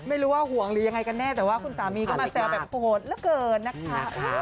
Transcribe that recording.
ไม่รู้ว่าห่วงหรือยังไงกันแน่แต่ว่าคุณสามีก็มาแซวแบบโหดเหลือเกินนะคะ